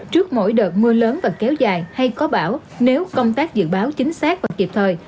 trước mỗi đợt mưa lớn và kéo dài hay có bão nếu công tác dự báo chính xác và kịp thời